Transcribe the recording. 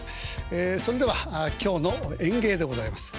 ええそれでは今日の演芸でございます。